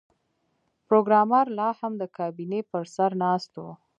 پروګرامر لاهم د کابینې پر سر ناست و